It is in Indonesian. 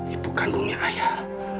ibu kandungnya ayah